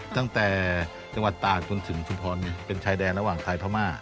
ตั้งแต่จังหวัดตากจนถึงชุมพรเป็นชายแดนระหว่างไทยพม่า